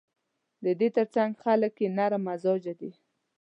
د دې ترڅنګ خلک یې نرم مزاجه دي.